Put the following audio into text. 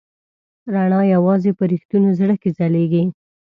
رڼا یواځې په رښتوني زړه کې ځلېږي.